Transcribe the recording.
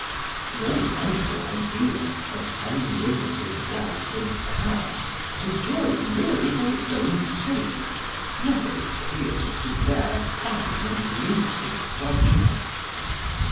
The oriental ideal of unlimited wealth and power, enjoyed merely for its own sake, never appealed to their fine and lucid judgment.